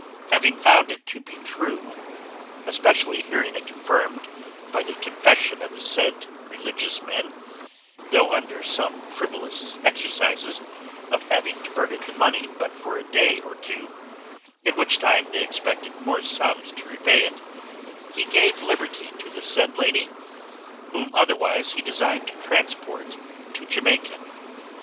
Having found it to be true especially hearing it confirmed by the confession of the said religious men, though under some frivolous exercises of having diverted the money but for a day or two, in which time they expected more sums to repay it he gave liberty to the said lady, whom otherwise he designed to transport to Jamaica.